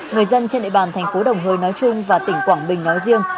người dân trên địa bàn tp đồng hơi nói chung và tỉnh quảng bình nói riêng